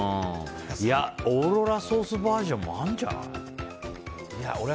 いや、オーロラソースバージョンもあるんじゃない？